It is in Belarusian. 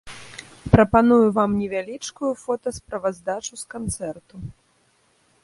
Прапаную вам невялічкую фота-справаздачу с канцэрту.